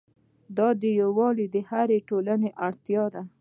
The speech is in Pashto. دا یووالی د هرې ټولنې اړتیا ده.